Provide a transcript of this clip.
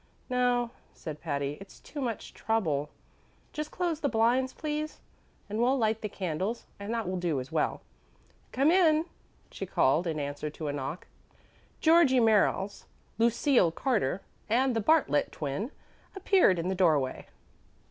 "No," said Patty; "it's too much trouble. Just close the blinds, please, and we'll light the candles, and that will do as well. Come in," she called in answer to a knock. Georgie Merriles, Lucille Carter, and the Bartlet Twin appeared in the doorway.